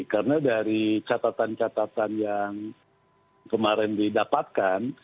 karena dari catatan catatan yang kemarin didapatkan